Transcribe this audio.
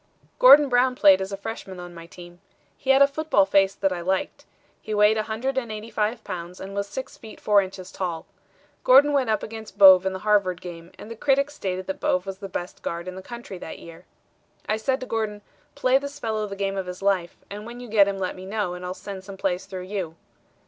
"Gordon Brown played as a freshman on my team. He had a football face that I liked. He weighed 185 pounds and was 6 feet 4 inches tall. Gordon went up against Bouvé in the Harvard game, and the critics stated that Bouvé was the best guard in the country that year. I said to Gordon, 'Play this fellow the game of his life, and when you get him, let me know and I'll send some plays through you.'